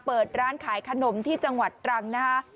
เปิดร้านขายขนมที่จังหวัดตรังนะฮะ